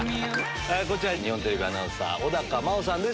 こちら日本テレビアナウンサー小茉緒さんです。